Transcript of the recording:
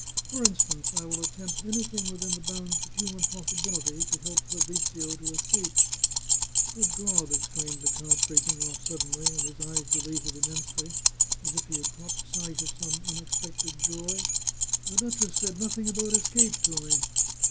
For instance, I will attempt anything within the bounds of human possibility to help Fabrizio to escape. ... Good God !" exclaimed the count, breaking oflf sud denly, and his eyes dilated immensely, as if he had caught sight of some unexpected joy. " The duchess said nothing about escape to me!